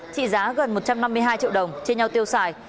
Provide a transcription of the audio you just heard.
trị giá gần một trăm năm mươi hai triệu đồng chia nhau tiêu xài